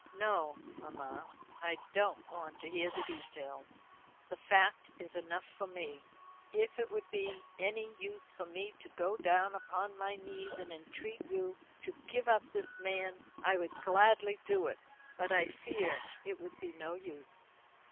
"No, mamma. I don't want to hear the details. The fact is enough for me. If it would be any use for me to go down upon my knees and entreat you to give up this man, I would gladly do it; but I fear it would be no use."